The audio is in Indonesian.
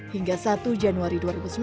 hingga satu januari dua ribu sembilan belas